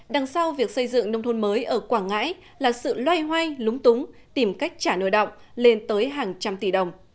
đằng sau việc xây dựng nông thôn mới ở quảng ngãi là sự loay hoay lúng túng tìm cách trả nợ động lên tới hàng trăm tỷ đồng